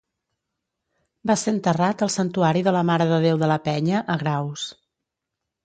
Va ser enterrat al santuari de la Mare de Déu de la Penya, a Graus.